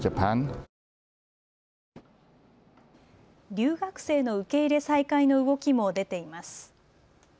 留学生の受け入れ再開の動きも出ています。